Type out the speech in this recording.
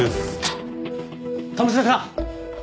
鴨志田さん！